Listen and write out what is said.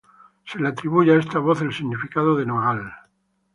Se le atribuye a esta voz el significado de nogal.